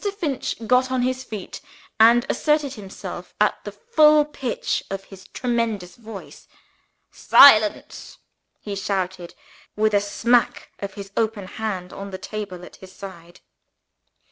Finch got on his feet, and asserted himself at the full pitch of his tremendous voice. "Silence!" he shouted, with a smack of his open hand on the table at his side.